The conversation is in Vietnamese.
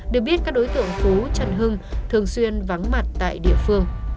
được biết các đối tượng phú trần hưng thường xuyên vắng mặt tại địa phương